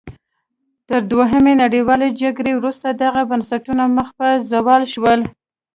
تر دویمې نړیوالې جګړې وروسته دغه بنسټونه مخ په زوال شول.